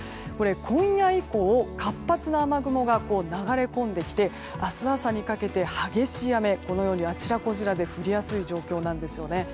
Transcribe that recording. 今夜以降、活発な雨雲が流れ込んできて明日朝にかけて、激しい雨このようにあちらこちらで降りやすい状況なんですね。